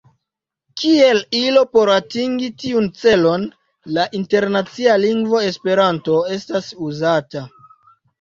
Kiel ilo por atingi tiun celon, la internacia lingvo Esperanto estas uzata.